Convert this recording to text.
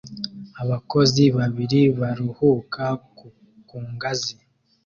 Abakozi babiri baruhuka ku ngazi